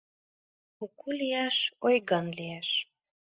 Куку лияш, ойган лияш